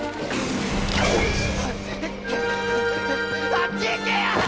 あっち行け！がっ！